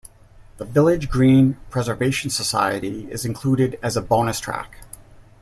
"The Village Green Preservation Society" is included as a bonus track.